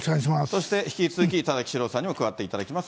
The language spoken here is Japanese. そして、引き続き田崎史郎さんにも加わっていただきます。